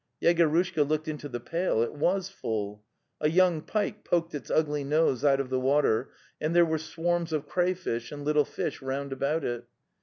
" Yegorushka looked into the pail: it was full. A young pike poked its ugly nose out of the water, and there were swarms of crayfish and little fish round about it.